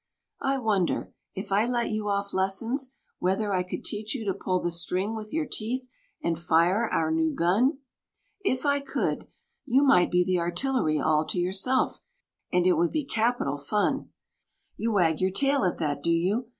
I wonder, if I let you off lessons, whether I could teach you to pull the string with your teeth, and fire our new gun? If I could, you might be the Artillery all to yourself, and it would be capital fun. You wag your tail at that, do you?